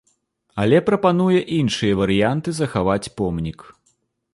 Але прапануе іншыя варыянты захаваць помнік.